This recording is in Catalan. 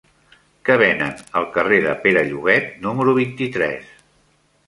Què venen al carrer de Pere Llobet número vint-i-tres?